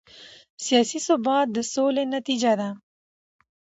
سیاسي ثبات د سولې نتیجه ده